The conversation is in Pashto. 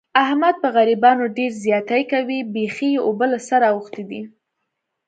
احمد په غریبانو ډېر زیاتی کوي. بیخي یې اوبه له سره اوښتې دي.